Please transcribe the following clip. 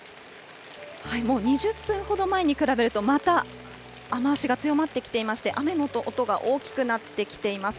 もう２０分ほど前に比べると、また雨足が強まってきていまして、雨の音が大きくなってきています。